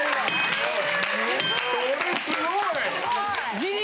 それすごい！